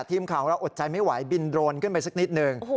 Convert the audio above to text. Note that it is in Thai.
ทีมข่าวเราอดใจไม่ไหวบินโดรนขึ้นไปสักนิดหนึ่ง